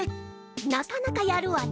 なかなかやるわね。